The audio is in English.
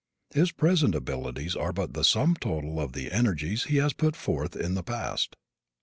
His present abilities are but the sum total of the energies he has put forth in the past.